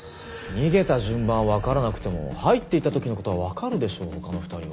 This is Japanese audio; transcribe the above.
逃げた順番はわからなくても入っていった時の事はわかるでしょ他の２人は。